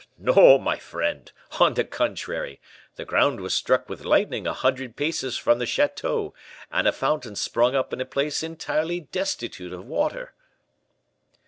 "No, my friend; on the contrary, the ground was struck with lightning a hundred paces from the chateau, and a fountain sprung up in a place entirely destitute of water."